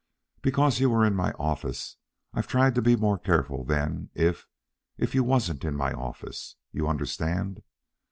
Because you were in my office I've tried to be more careful than if if you wasn't in my office you understand.